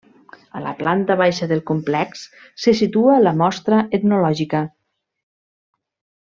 A la planta baixa del complex se situa la mostra etnològica.